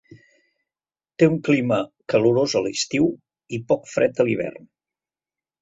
Té un clima calorós a l'estiu i poc fred a l'hivern.